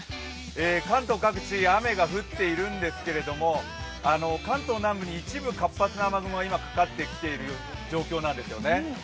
関東各地、雨が降っているんですけれども、関東南部に一部、活発な雨がかかってきている状況なんですよね。